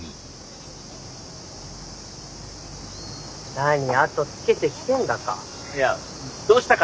何後つけてきてんだか。